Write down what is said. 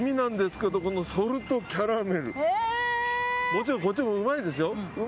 もちろんこっちもうまいんですよ。